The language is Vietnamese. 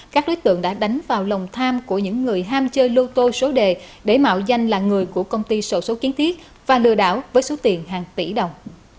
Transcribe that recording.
các đối tượng đã đánh vào lòng tham của những người ham chơi lô tô số đề để mạo danh là người của công ty sổ số kiến thiết và lừa đảo với số tiền hàng tỷ đồng